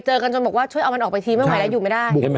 กันจนบอกว่าช่วยเอามันออกไปทีไม่ไหวแล้วอยู่ไม่ได้